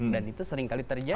dan itu seringkali terjadi